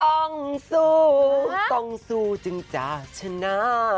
ต้องสู้ต้องสู้จึงจากชนะ